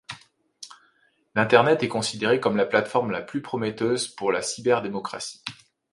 L'internet est considéré comme la plateforme la plus prometteuse pour la cyberdémocratie.